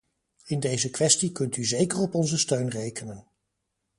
In deze kwestie kunt u zeker op onze steun rekenen.